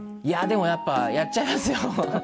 いやでもやっぱやっちゃいますよ。